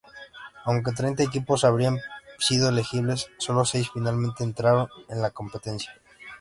Aunque treinta equipos habrían sido elegibles, solo seis finalmente entraron en la competencia.